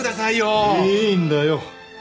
いいんだよ。